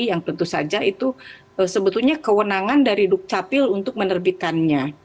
yang tentu saja itu sebetulnya kewenangan dari dukcapil untuk menerbitkannya